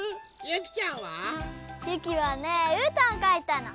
ゆきはねうーたんをかいたの。